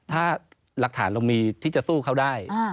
ถ้าหลักฐานเรามีที่จะสู้เขาได้